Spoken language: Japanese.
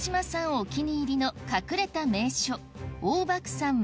お気に入りの隠れた名所